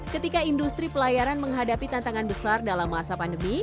ketika industri pelayaran menghadapi tantangan besar dalam masa pandemi